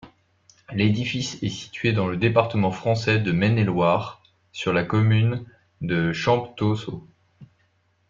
L'édifice est situé dans le département français de Maine-et-Loire, sur la commune de Champtoceaux.